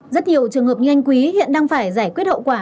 rất nhiều trường hợp nhanh quý hiện đang phải giải quyết hậu quả